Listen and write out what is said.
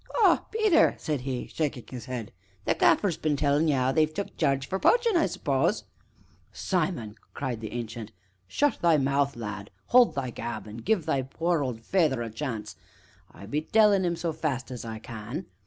"Ah, Peter!" said he, shaking his head, "the Gaffer's been tellin' ye 'ow they've took Jarge for poachin', I suppose " "Simon!" cried the Ancient, "shut thy mouth, lad hold thy gab an' give thy poor old feyther a chance I be tellin' 'im so fast as I can!